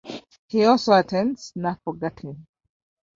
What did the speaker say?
He also attends "Snufflegarten".